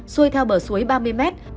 xuôi theo bờ suối ba mươi m